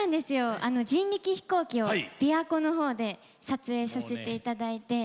人力飛行機を琵琶湖の方で撮影させていただいて。